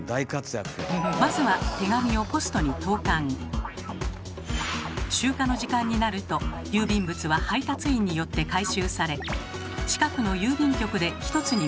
まずは集荷の時間になると郵便物は配達員によって回収され近くの郵便局で一つにまとめられます。